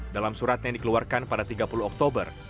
dalam surat yang dikeluarkan pada tiga puluh oktober